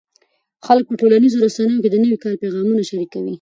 خلک په ټولنیزو رسنیو کې د نوي کال پیغامونه شریکوي.